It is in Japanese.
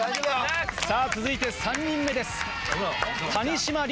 ・さぁ続いて３人目です。